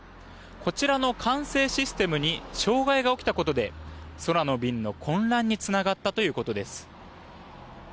こちらの管制システムに障害が起きたことで空の便の混乱につながったということです。